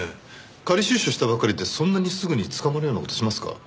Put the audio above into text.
仮出所したばかりでそんなにすぐに捕まるような事しますか？